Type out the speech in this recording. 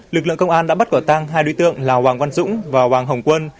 lực lượng công an đã bắt quả tăng hai đối tượng là hoàng văn dũng và hoàng hồng quân